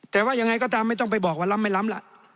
แต่ว่ายังไงก็ตามไม่ต้องไปบอกว่าล้ำไม่ล้ำล่ะ